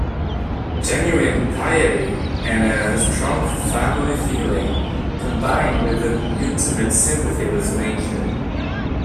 Genuine piety and a strong family feeling combine with an intimate sympathy with nature.